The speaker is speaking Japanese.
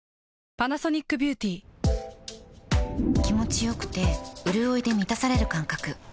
気持ちよくてうるおいで満たされる感覚